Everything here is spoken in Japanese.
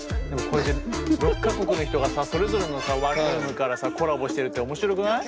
６か国の人がさそれぞれのさワンルームからさコラボしてるって面白くない？